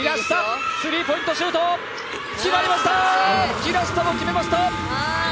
平下も決めました！